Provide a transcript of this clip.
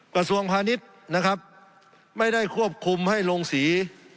กระทรวงพาณิชย์นะครับไม่ได้ควบคุมให้ลงสี